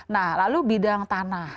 nah lalu bidang tanah